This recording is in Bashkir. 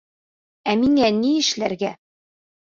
Ә миңә ни эшләргә?